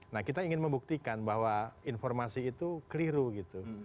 nah kita ingin membuktikan bahwa informasi itu keliru gitu